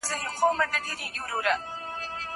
هغه وويل چي د کتابتون کتابونه لوستل کول مهم دي!